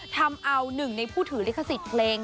ทำเอา๑ในผู้ถือลิขสิทธิ์เล็ง